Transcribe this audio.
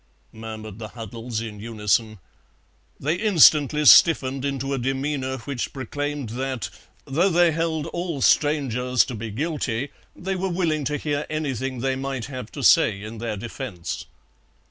murmured the Huddles in unison; they instantly stiffened into a demeanour which proclaimed that, though they held all strangers to be guilty, they were willing to hear anything they might have to say in their defence.